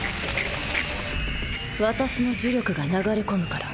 私の呪力が流れ込むから。